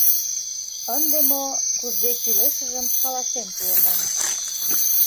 Ынде мо, кузе кӱлешыжым каласен пуынем.